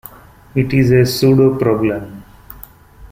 It is a pseudo-problem.